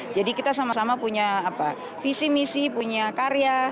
jadi kita sama sama punya apa visi misi punya karya